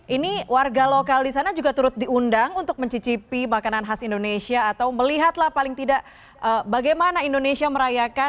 ini warga lokal di sana juga turut diundang untuk mencicipi makanan khas indonesia atau melihatlah paling tidak bagaimana indonesia merayakan